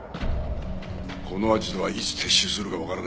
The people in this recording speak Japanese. このアジトはいつ撤収するかわからないんだ。